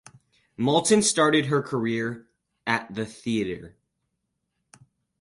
Malton started her career at the theater.